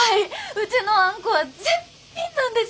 うちのあんこは絶品なんです。